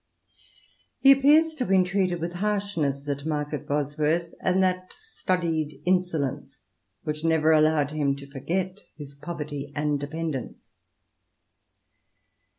He appears to have been treated with harshness at Market Bosworth, and that studied insolence which never allowed him to forget his poverty and dependence.